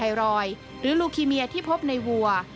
ไม่เกี่ยวข้องกับมะเร็งต่อมไทรอยด์หรือลูคิเมียที่พบในวัว